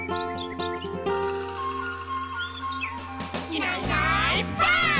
「いないいないばあっ！」